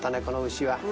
この牛は。